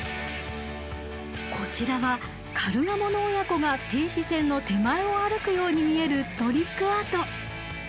こちらはカルガモの親子が停止線の手前を歩くように見えるトリックアート。